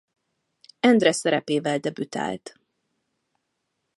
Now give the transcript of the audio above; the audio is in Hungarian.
Endre szerepével debütált.